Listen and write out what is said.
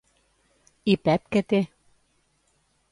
I Pep què té?